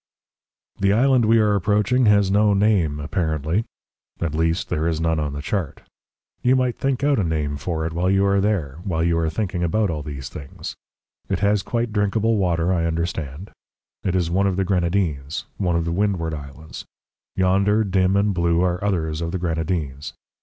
"The island we are approaching has no name apparently at least, there is none on the chart. You might think out a name for it while you are there while you are thinking about all these things. It has quite drinkable water, I understand. It is one of the Grenadines one of the Windward Islands. Yonder, dim and blue, are others of the Grenadines.